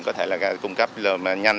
có thể là cung cấp nhanh